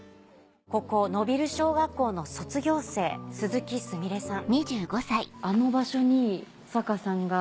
ここ野蒜小学校の卒業生鈴木菫さん。